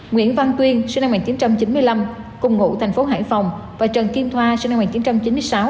nguyễn văn tuyên sinh năm một nghìn chín trăm chín mươi năm cùng ngụ tp hcm và trần kim thoa sinh năm một nghìn chín trăm chín mươi sáu